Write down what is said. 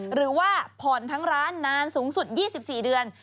หรือว่าผ่อนทั้งร้านนานสูงสุด๒๔เดือน